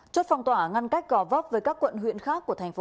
chốt phong tỏa ngăn cách gò vấp với các quận huyện khác của tp hcm